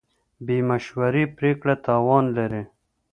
بې مشورې پرېکړه تاوان لري.